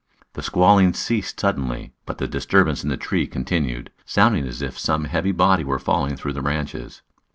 The squalling ceased suddenly, but the disturbance in the tree continued, sounding as if some heavy body were falling through the branches.